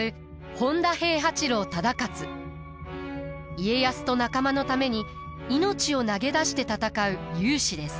家康と仲間のために命を投げ出して戦う勇士です。